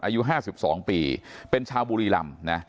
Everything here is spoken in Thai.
อายุ๕๒ปีเป็นชาวบุรีรำนะ